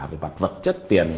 vì bạc vật chất tiền